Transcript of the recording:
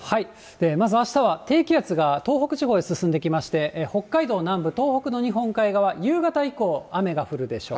まずあしたは低気圧が、東北地方へ進んできまして、北海道南部、東北の日本海側、夕方以降、雨が降るでしょう。